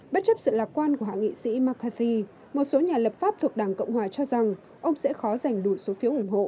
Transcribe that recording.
bất chấp sự lạc quan của hạ nghị sĩ macasi một số nhà lập pháp thuộc đảng cộng hòa cho rằng ông sẽ khó giành đủ số phiếu ủng hộ